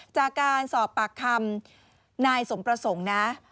จากการสอบปากคำนายสมประสงค์นะ